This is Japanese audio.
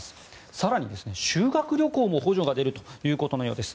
更に、修学旅行も補助が出るということのようです。